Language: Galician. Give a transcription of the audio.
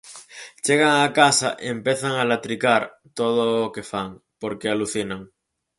Chegan a casa e empezan a latricar todo o que fan, porque alucinan.